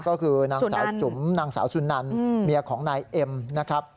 ก็คือนางสาวจุ๋มนางสาวสุนันเมียของนายเอ็มนะครับ